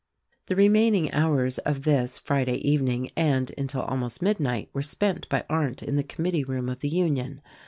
The remaining hours of this, Friday evening, and until almost midnight, were spent by Arndt in the committee room of the Union.